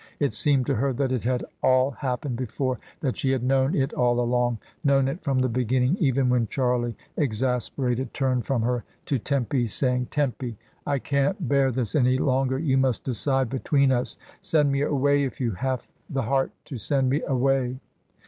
It seemed to her that it had all happened before, that she had known it all along, known it from the beginning, even when Charlie, exasperated, turned from her to Tempy saying, UNDER THE CEDAR TREES. 293 "Tempy, I can't bear this any longer, you must decide between us. Send me away, if you have the heart to send me away."